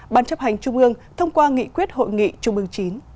ban chấp hành trung ương thông qua nghị quyết hội nghị trung ương chín